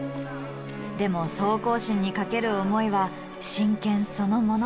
でも総行進にかける思いは真剣そのもの。